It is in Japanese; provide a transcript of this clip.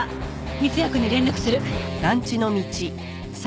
三ツ矢くんに連絡する！